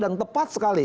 dan tepat sekali